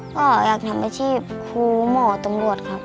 ก็อยากทำอาชีพครูหมอตำรวจครับ